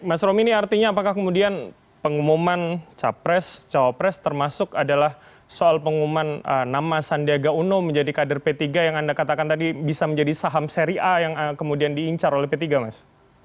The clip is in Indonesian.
mas romi ini artinya apakah kemudian pengumuman capres cawapres termasuk adalah soal pengumuman nama sandiaga uno menjadi kader p tiga yang anda katakan tadi bisa menjadi saham seri a yang kemudian diincar oleh p tiga mas